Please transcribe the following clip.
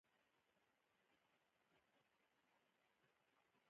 هم عشقيه شاعرۍ باندې مشتمل دي ۔